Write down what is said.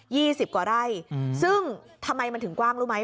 ี่สิบกว่าไร่อืมซึ่งทำไมมันถึงกว้างรู้ไหม